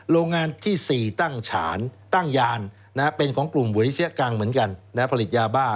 โรงงานที่๔ตั้งฉานตั้งยานเป็นของกลุ่มหวยเสียกังเหมือนกันผลิตยาบ้า